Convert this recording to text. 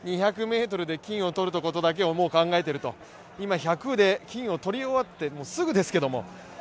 ２００ｍで金を取ることだけ考えていると、今１００で金を取り終わってすぐですけれども。